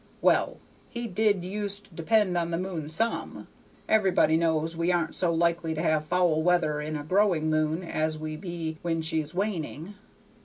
Well, he did use to depend on the moon some; everybody knows we aren't so likely to have foul weather in a growing moon as we be when she's waning.